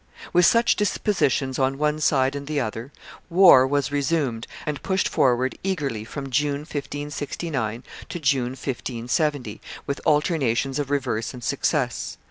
With such dispositions on one side and the other, war was resumed and pushed forward eagerly from June, 1569, to June, 1570, with alternations of reverse and success.